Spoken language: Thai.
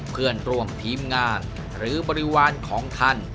เพื่อนร่วมทีมงานหรือบริวารของท่าน